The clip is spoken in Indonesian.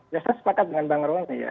ya saya sepakat dengan bang roni ya